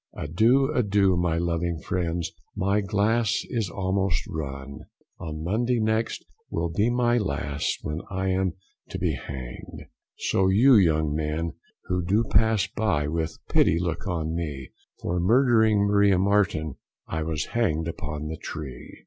Adieu, adieu, my loving friends, my glass is almost run, On Monday next will be my last, when I am to be hang'd; So you, young men, who do pass by, with pity look on me, For murdering Maria Marten, I was hang'd upon the tree.